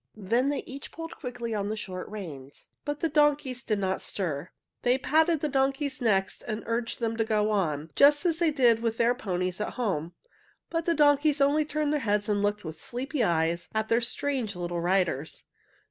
Then they each pulled quickly on the short reins, but the donkeys did not stir. They patted the donkeys' necks and urged them to go on, just as they did with their ponies at home, but the donkeys only turned their heads and looked with sleepy eyes at their strange little riders.